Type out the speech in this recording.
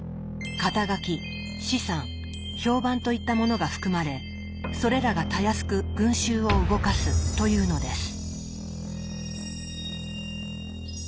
肩書資産評判といったものが含まれそれらがたやすく群衆を動かすというのです。